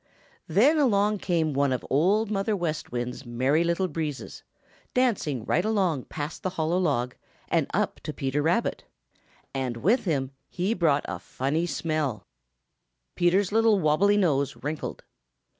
Then along came one of Old Mother West Wind's Merry Little Breezes, dancing right past the hollow log and up to Peter Rabbit, and with him he brought a funny smell. Peter's little wobbly nose wrinkled.